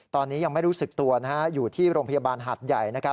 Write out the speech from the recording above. ตอนนี้ยังไม่รู้สึกตัวอยู่ที่โรงพยาบาลหัดใหญ่